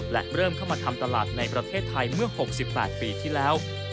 และเริ่มเข้ามาทำตลาดในประเทศไทยเมื่อ๖๘ปีที่แล้ว